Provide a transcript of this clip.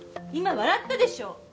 今笑ったでしょう。